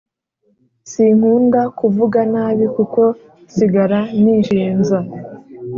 Sinkunda kuvuga nabi kuko nsigara nishinza